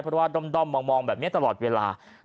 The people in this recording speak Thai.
เพราะว่าด้อมมองแบบนี้ตลอดเวลา